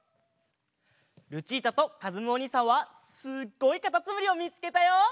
ルチータとかずむおにいさんはすっごいかたつむりをみつけたよ。